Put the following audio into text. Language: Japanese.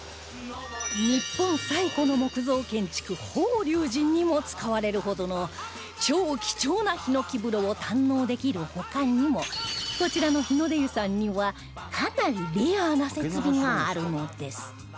日本最古の木造建築法隆寺にも使われるほどの超貴重な檜風呂を堪能できる他にもこちらの日の出湯さんにはかなりレアな設備があるのです